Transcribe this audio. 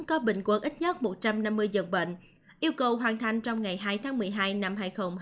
có bình quân ít nhất một trăm năm mươi giường bệnh yêu cầu hoàn thành trong ngày hai tháng một mươi hai năm hai nghìn hai mươi